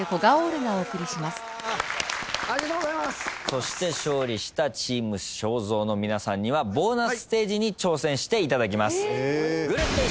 そして勝利したチーム正蔵の皆さんにはボーナスステージに挑戦していただきます。